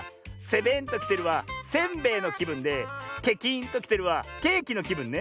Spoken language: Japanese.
「ゼベンときてる」はせんべいのきぶんで「ケキンときてる」はケーキのきぶんね。